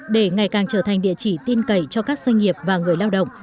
để ngày càng trở thành địa chỉ tin cậy cho các doanh nghiệp và người lao động